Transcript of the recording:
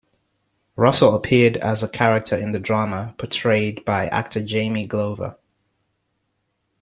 Russell appeared as a character in the drama, portrayed by actor Jamie Glover.